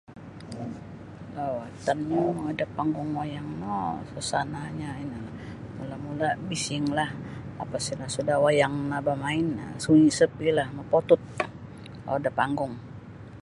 Lawatan mongoi da panggung wayang no suasanyo ino ni mula-mulanyo bisinglah lapas bila suda wayang bamain sunyi sepila mopotud kalau da panggung.